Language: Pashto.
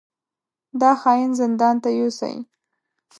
دا خاين زندان ته يوسئ!